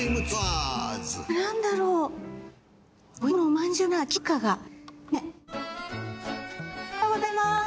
おはようございます。